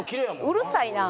うるさいな！